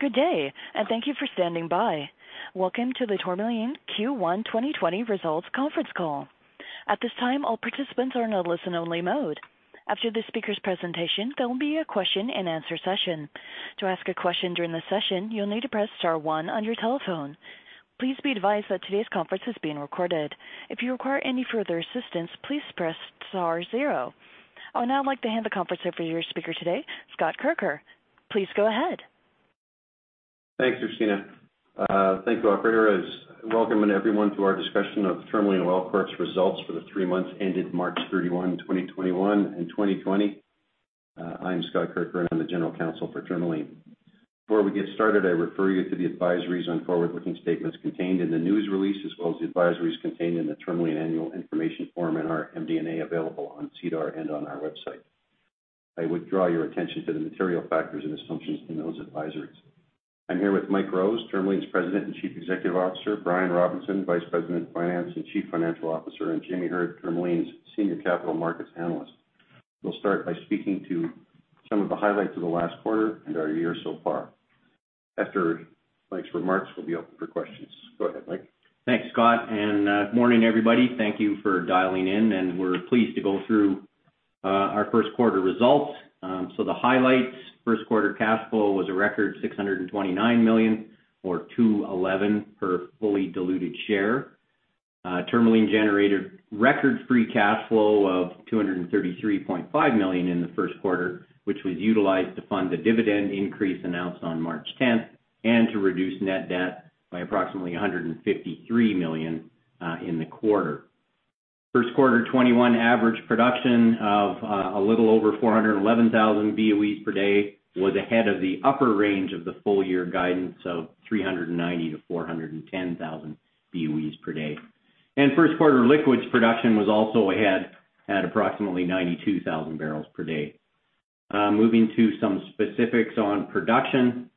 Good day, and thank you for standing by. Welcome to the Tourmaline Q1 2020 results conference call. At this time, all participants are in a listen-only mode. After the speaker's presentation, there will be a question-and-answer session. To ask a question during the session, you'll need to press star one on your telephone. Please be advised that today's conference is being recorded. If you require any further assistance, please press star zero. I would now like to hand the conference over to your speaker today, Scott Kirker. Please go ahead. Thanks, Christina. Thank you, Mike Rose. Welcome everyone to our discussion of Tourmaline Oil Corp.'s results for the three months ended March 31, 2021, and 2020. I'm Scott Kirker, and I'm the general counsel for Tourmaline. Before we get started, I refer you to the advisories on forward-looking statements contained in the news release, as well as the advisories contained in the Tourmaline annual information form and our MD&A available on SEDAR+ and on our website. I would draw your attention to the material factors and assumptions in those advisories. I'm here with Mike Rose, Tourmaline's President and Chief Executive Officer, Brian Robinson, Vice President of Finance and Chief Financial Officer, and Jamie Heard, Tourmaline's Senior Capital Markets Analyst. We'll start by speaking to some of the highlights of the last quarter and our year so far. After Mike's remarks, we'll be open for questions. Go ahead, Mike. Thanks, Scott. Good morning, everybody. Thank you for dialing in, and we're pleased to go through our first quarter results. The highlights: first quarter cash flow was a record 629 million, or 2.11 per fully diluted share. Tourmaline generated record free cash flow of 233.5 million in the first quarter, which was utilized to fund the dividend increase announced on March 10th and to reduce net debt by approximately 153 million in the quarter. First quarter 2021 average production of a little over 411,000 BOEs per day was ahead of the upper range of the full-year guidance of 390,000-410,000 BOEs per day. First quarter liquids production was also ahead at approximately 92,000 barrels per day. Moving to some specifics on production,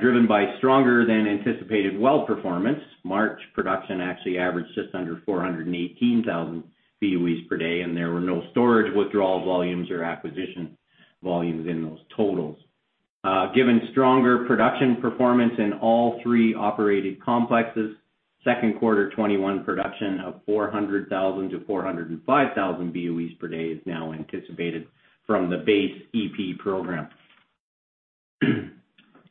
driven by stronger-than-anticipated well performance, March production actually averaged just under 418,000 BOEs per day, and there were no storage withdrawal volumes or acquisition volumes in those totals. Given stronger production performance in all three operated complexes, second quarter 2021 production of 400,000-405,000 BOEs per day is now anticipated from the base EP program.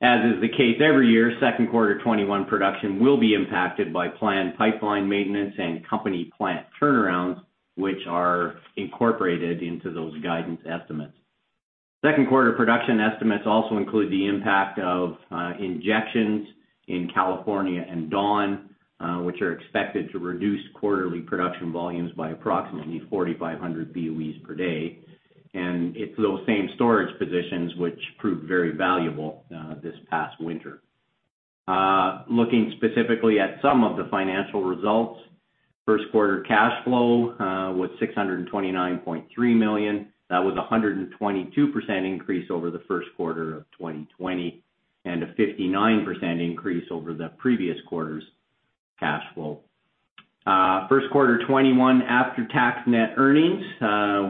As is the case every year, second quarter 2021 production will be impacted by planned pipeline maintenance and company plant turnarounds, which are incorporated into those guidance estimates. Second quarter production estimates also include the impact of injections in California and Dawn, which are expected to reduce quarterly production volumes by approximately 4,500 BOEs per day, and it's those same storage positions, which proved very valuable this past winter. Looking specifically at some of the financial results, first quarter cash flow was 629.3 million. That was a 122% increase over the first quarter of 2020 and a 59% increase over the previous quarter's cash flow. First quarter 2021 after-tax net earnings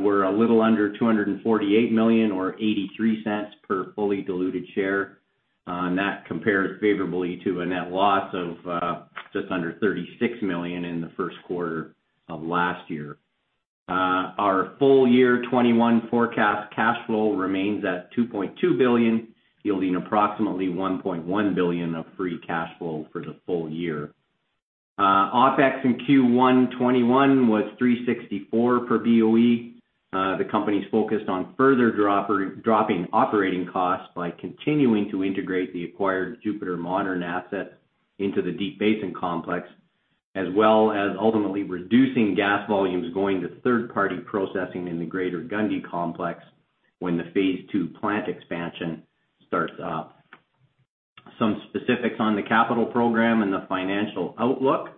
were a little under 248 million, or 0.83 per fully diluted share. That compares favorably to a net loss of just under 36 million in the first quarter of last year. Our full-year 2021 forecast cash flow remains at 2.2 billion, yielding approximately 1.1 billion of free cash flow for the full year. OpEx in Q1 2021 was 364 per BOE. The company's focus on further dropping operating costs by continuing to integrate the acquired Jupiter Modern asset into the Deep Basin complex, as well as ultimately reducing gas volumes going to third-party processing in the Greater Gundy complex when the phase II plant expansion starts up. Some specifics on the capital program and the financial outlook.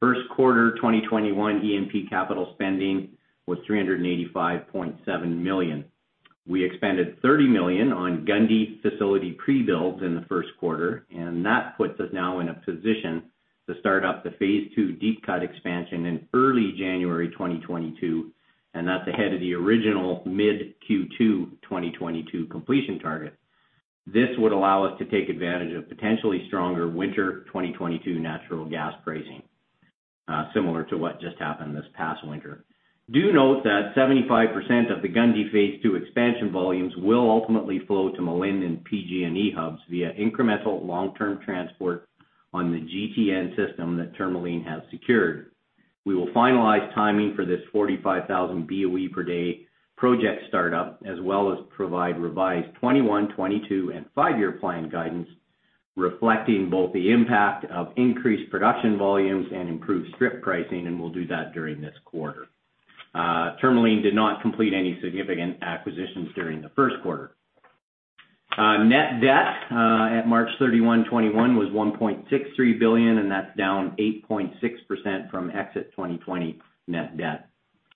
First quarter 2021 EP capital spending was 385.7 million. We expended 30 million on Gundy facility pre-builds in the first quarter, and that puts us now in a position to start up the phase II deep cut expansion in early January 2022, and that's ahead of the original mid Q2 2022 completion target. This would allow us to take advantage of potentially stronger winter 2022 natural gas pricing, similar to what just happened this past winter. Do note that 75% of the Gundy phase II expansion volumes will ultimately flow to Malin and PG&E hubs via incremental long-term transport on the GTN system that Tourmaline has secured. We will finalize timing for this 45,000 BOE per day project startup, as well as provide revised 2021, 2022, and five-year plan guidance reflecting both the impact of increased production volumes and improved strip pricing, and we'll do that during this quarter. Tourmaline did not complete any significant acquisitions during the first quarter. Net debt at March 31, 2021 was 1.63 billion, and that's down 8.6% from exit 2020 net debt,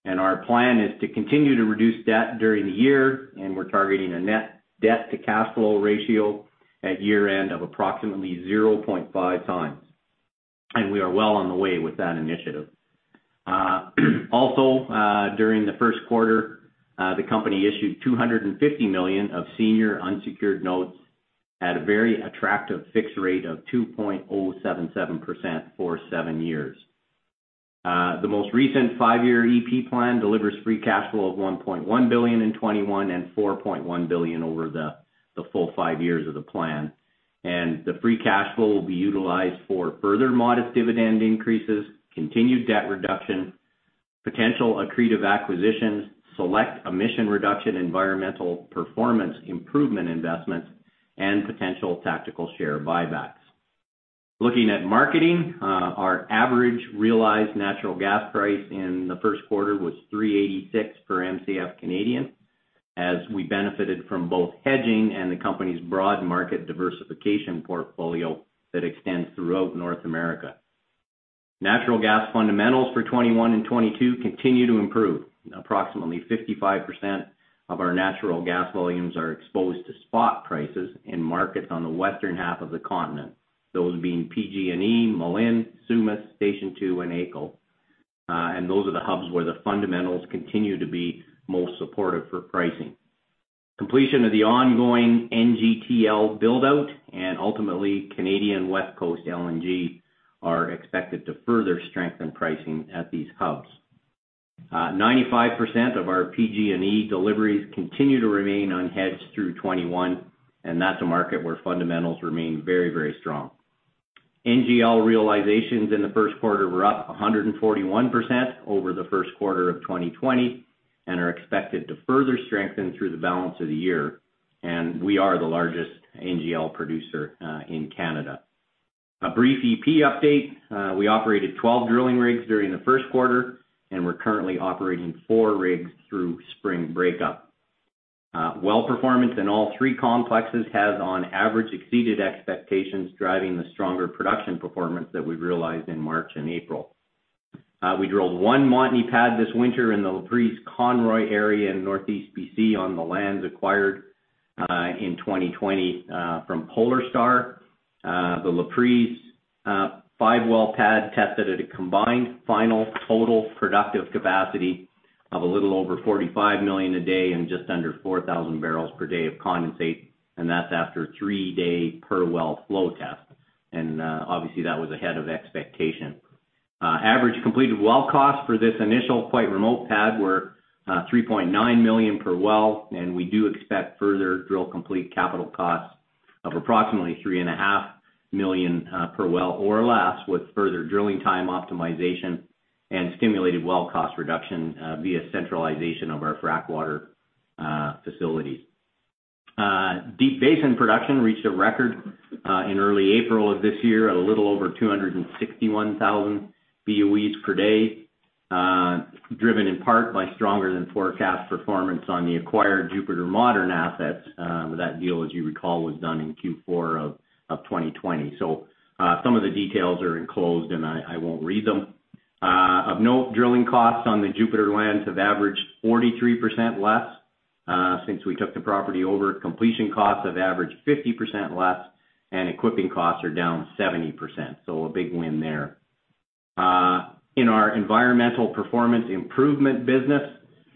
and our plan is to continue to reduce debt during the year, and we're targeting a net debt-to-cash flow ratio at year-end of approximately 0.5 times, and we are well on the way with that initiative. Also, during the first quarter, the company issued 250 million of senior unsecured notes at a very attractive fixed rate of 2.077% for seven years. The most recent five-year EP plan delivers free cash flow of 1.1 billion in 2021 and 4.1 billion over the full five years of the plan, and the free cash flow will be utilized for further modest dividend increases, continued debt reduction, potential accretive acquisitions, select emission reduction, environmental performance improvement investments, and potential tactical share buybacks. Looking at marketing, our average realized natural gas price in the first quarter was 3.86 per MCF, as we benefited from both hedging and the company's broad market diversification portfolio that extends throughout North America. Natural gas fundamentals for 2021 and 2022 continue to improve. Approximately 55% of our natural gas volumes are exposed to spot prices in markets on the western half of the continent, those being PG&E, Malin, Sumas, Station 2, and AECO, and those are the hubs where the fundamentals continue to be most supportive for pricing. Completion of the ongoing NGTL buildout and ultimately Canadian West Coast LNG are expected to further strengthen pricing at these hubs. 95% of our PG&E deliveries continue to remain unhedged through 2021, and that's a market where fundamentals remain very, very strong. NGL realizations in the first quarter were up 141% over the first quarter of 2020 and are expected to further strengthen through the balance of the year, and we are the largest NGL producer in Canada. A brief EP update: we operated 12 drilling rigs during the first quarter and we're currently operating four rigs through spring breakup. Well performance in all three complexes has on average exceeded expectations, driving the stronger production performance that we realized in March and April. We drilled one Montney pad this winter in the Laprise Conroy area in Northeast BC on the lands acquired in 2020 from Polar Star. The Laprise five-well pad tested at a combined final total productive capacity of a little over 45 million a day and just under 4,000 barrels per day of condensate, and that's after a three-day per well flow test. Obviously, that was ahead of expectation. Average completed well cost for this initial quite remote pad were 3.9 million per well, and we do expect further drill complete capital costs of approximately 3.5 million per well or less with further drilling time optimization and stimulated well cost reduction via centralization of our frack water facilities. Deep Basin production reached a record in early April of this year at a little over 261,000 BOEs per day, driven in part by stronger-than-forecast performance on the acquired Jupiter Modern assets. That deal, as you recall, was done in Q4 of 2020. Some of the details are enclosed, and I won't read them. Of note, drilling costs on the Jupiter lands have averaged 43% less since we took the property over. Completion costs have averaged 50% less, and equipping costs are down 70%. A big win there. In our environmental performance improvement business,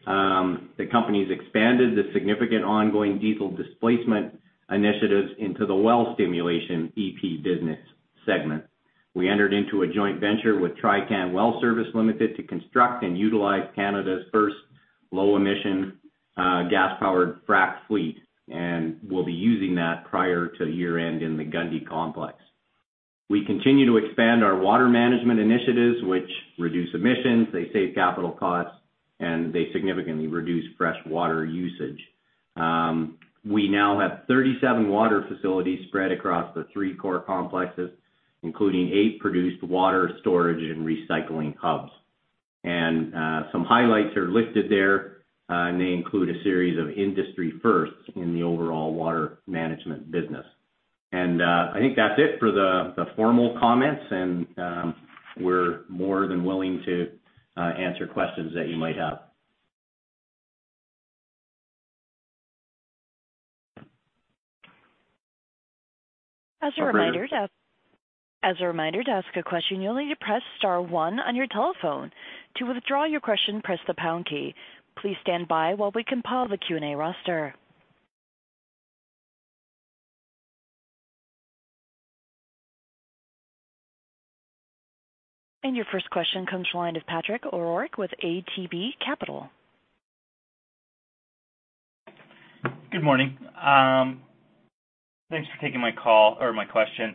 the company's expanded the significant ongoing diesel displacement initiatives into the well stimulation EP business segment. We entered into a joint venture with Trican Well Service Limited to construct and utilize Canada's first low-emission gas-powered frack fleet, and we'll be using that prior to year-end in the Gundy complex. We continue to expand our water management initiatives, which reduce emissions. They save capital costs, and they significantly reduce fresh water usage. We now have 37 water facilities spread across the three core complexes, including eight produced water storage and recycling hubs. And some highlights are listed there, and they include a series of industry firsts in the overall water management business. And I think that's it for the formal comments, and we're more than willing to answer questions that you might have. As a reminder to ask a question, you'll need to press star one on your telephone. To withdraw your question, press the pound key. Please stand by while we compile the Q&A roster, and your first question comes from the line of Patrick O'Rourke with ATB Capital Markets. Good morning. Thanks for taking my call or my question.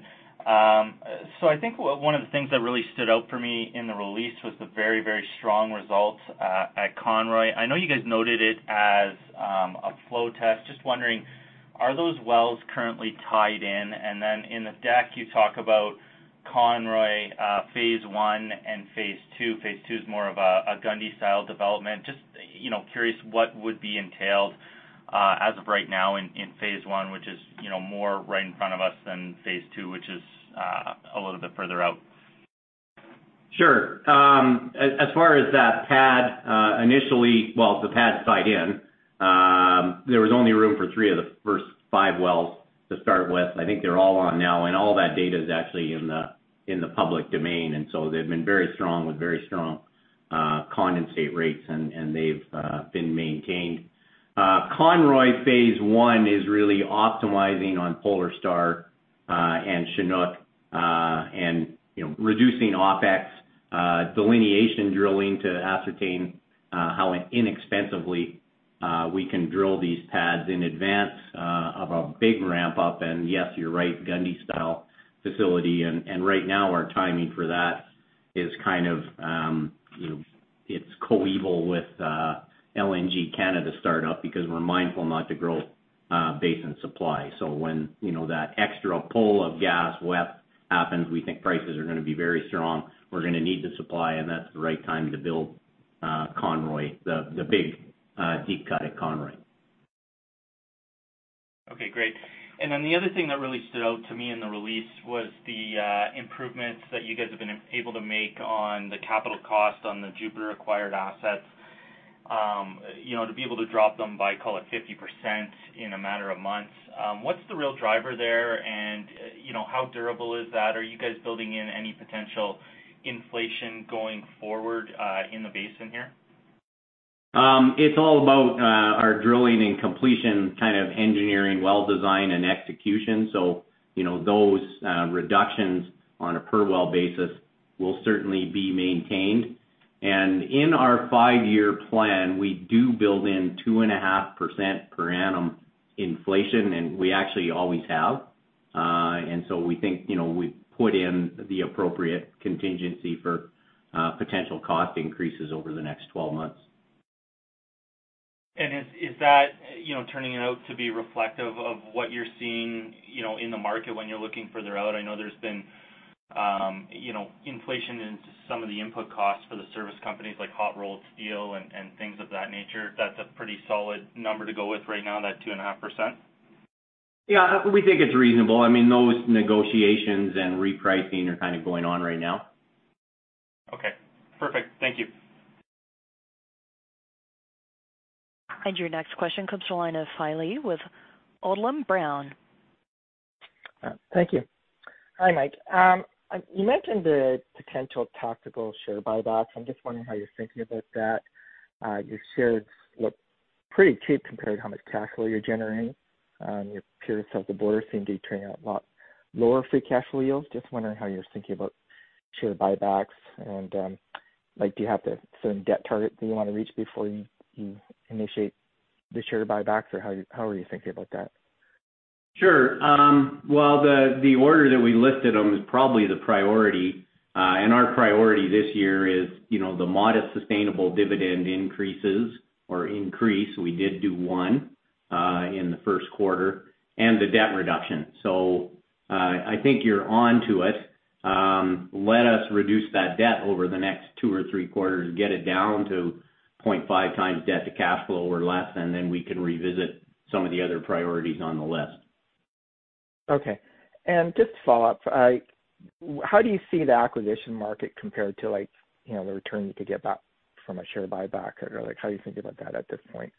So I think one of the things that really stood out for me in the release was the very, very strong results at Conroy. I know you guys noted it as a flow test. Just wondering, are those wells currently tied in? And then in the deck, you talk about Conroy phase I and phase II. Phase II is more of a Gundy-style development. Just curious what would be entailed as of right now in phase I, which is more right in front of us than phase II, which is a little bit further out. Sure. As far as that pad, initially, well, the pad tied in. There was only room for three of the first five wells to start with. I think they're all on now, and all that data is actually in the public domain. And so they've been very strong with very strong condensate rates, and they've been maintained. Conroy phase I is really optimizing on Polar Star and Chinook and reducing OpEx, delineation drilling to ascertain how inexpensively we can drill these pads in advance of a big ramp-up. And yes, you're right, Gundy-style facility. And right now, our timing for that is kind of it's coeval with LNG Canada startup because we're mindful not to grow basin supply. So when that extra pull of gas effect happens, we think prices are going to be very strong. We're going to need the supply, and that's the right time to build Conroy, the big deep cut at Conroy. Okay. Great. And then the other thing that really stood out to me in the release was the improvements that you guys have been able to make on the capital cost on the Jupiter acquired assets, to be able to drop them by, call it, 50% in a matter of months. What's the real driver there, and how durable is that? Are you guys building in any potential inflation going forward in the basin here? It's all about our drilling and completion kind of engineering, well design, and execution. So those reductions on a per well basis will certainly be maintained. And in our five-year plan, we do build in 2.5% per annum inflation, and we actually always have. And so we think we've put in the appropriate contingency for potential cost increases over the next 12 months. Is that turning out to be reflective of what you're seeing in the market when you're looking further out? I know there's been inflation in some of the input costs for the service companies like hot rolled steel and things of that nature. That's a pretty solid number to go with right now, that 2.5%. Yeah. We think it's reasonable. I mean, those negotiations and repricing are kind of going on right now. Okay. Perfect. Thank you. Your next question comes from the line of Fai Lee with Odlum Brown. Thank you. Hi, Mike. You mentioned the potential tactical share buybacks. I'm just wondering how you're thinking about that. Your shares look pretty cheap compared to how much cash flow you're generating. Your peers at the border seem to be turning out a lot lower free cash flow yields. Just wondering how you're thinking about share buybacks. And do you have a certain debt target that you want to reach before you initiate the share buybacks, or how are you thinking about that? Sure. Well, the order that we listed them is probably the priority. And our priority this year is the modest sustainable dividend increases or increase. We did do one in the first quarter and the debt reduction. So I think you're on to it. Let us reduce that debt over the next two or three quarters, get it down to 0.5 times debt to cash flow or less, and then we can revisit some of the other priorities on the list. Okay. And just to follow up, how do you see the acquisition market compared to the return you could get back from a share buyback, or how do you think about that at this point,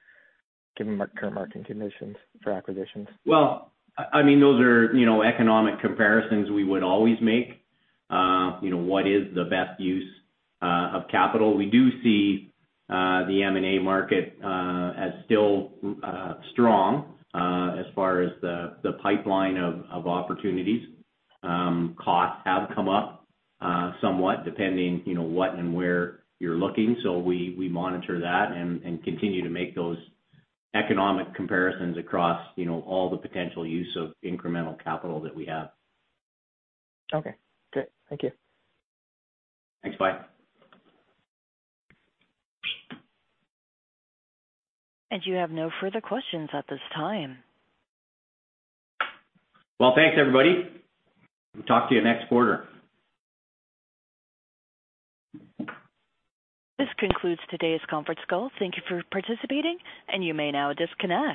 given current market conditions for acquisitions? Well, I mean, those are economic comparisons we would always make. What is the best use of capital? We do see the M&A market as still strong as far as the pipeline of opportunities. Costs have come up somewhat depending on what and where you're looking. So we monitor that and continue to make those economic comparisons across all the potential use of incremental capital that we have. Okay. Great. Thank you. Thanks. Bye. You have no further questions at this time. Thanks, everybody. We'll talk to you next quarter. This concludes today's conference call. Thank you for participating, and you may now disconnect.